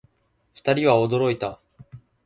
二人は驚いた